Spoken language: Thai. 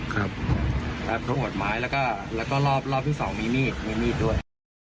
ครับแป๊ปขวดไม้แล้วก็แล้วก็รอบรอบที่สองมีมีดมีมีดด้วย